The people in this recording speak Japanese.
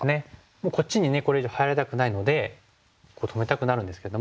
もうこっちにねこれ以上入られたくないので止めたくなるんですけども。